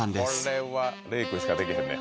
これは玲くんしかできへんね